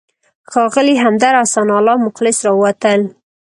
ښاغلی همدرد او ثناالله مخلص راووتل.